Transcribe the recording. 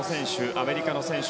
アメリカの選手